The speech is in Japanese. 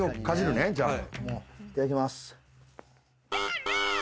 いただきます。